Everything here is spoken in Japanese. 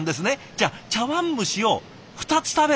じゃあ茶わん蒸しを２つ食べる。